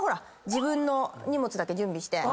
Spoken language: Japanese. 自分の荷物だけ準備して。